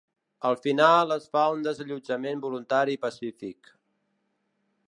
Al final es fa un desallotjament voluntari i pacífic.